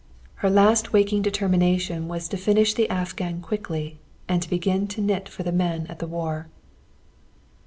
Her last waking determination was to finish the afghan quickly and to knit for the men at the war.